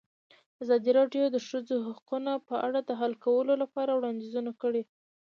ازادي راډیو د د ښځو حقونه په اړه د حل کولو لپاره وړاندیزونه کړي.